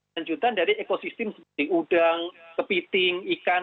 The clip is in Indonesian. lanjutan dari ekosistem seperti udang kepiting ikan